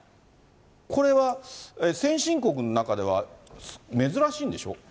これは先進国の中では珍しいんでしょ？